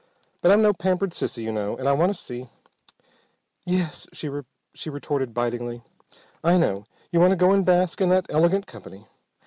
But I'm no pampered sissy, you know, and I want to see " "Yes," she retorted bitingly, "I know. You want to go and bask in that elegant company.